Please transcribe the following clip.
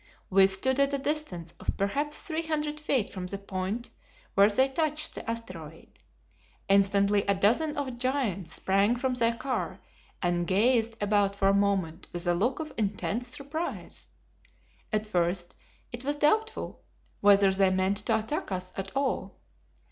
We stood at a distance of perhaps three hundred feet from the point where they touched the asteroid. Instantly a dozen of the giants sprang from the car and gazed about for a moment with a look of intense surprise. At first it was doubtful whether they meant to attack us at all.